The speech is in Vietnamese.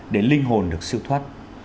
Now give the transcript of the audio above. để linh hồn được siêu thoát